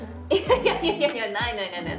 いやいやいやいやないないないない